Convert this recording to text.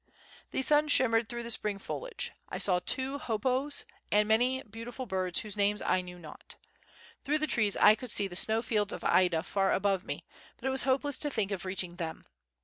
The sun shimmered through the spring foliage. I saw two hoopoes and many beautiful birds whose names I knew not. Through the trees I could see the snow fields of Ida far above me, but it was hopeless to think of reaching them.